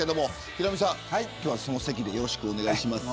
ヒロミさん、今日はその席でよろしくお願いします。